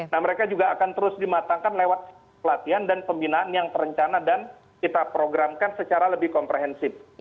nah mereka juga akan terus dimatangkan lewat pelatihan dan pembinaan yang terencana dan kita programkan secara lebih komprehensif